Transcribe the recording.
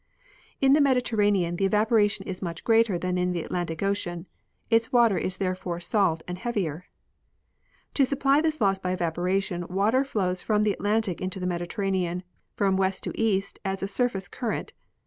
In the Mediterranean the evaporation is much greater than in the Atlantic ocean; its water is therefore salt and heavier. To supply this loss by evaporation, water flows from the Atlantic into the Mediterranean from west to east as a surface current.